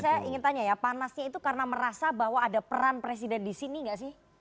saya ingin tanya ya panasnya itu karena merasa bahwa ada peran presiden di sini nggak sih